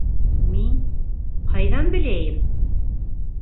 Мин... ҡайҙан беләйем?!